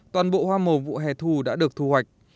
toàn bộ hoa màu vụ hè thu đã được thu hoạch